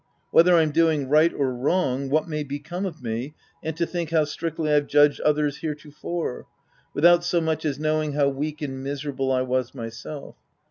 Whether I'm doing right or wrong, what may become of me, — and to think how strictly I've judged others heretofore. Without so much as knowing how weak and miserable I was myself.